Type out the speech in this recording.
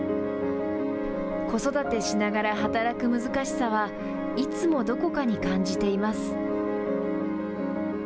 子育てしながら働く難しさはいつもどこかに感じています。